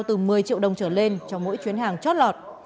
từ một mươi triệu đồng trở lên cho mỗi chuyến hàng chót lọt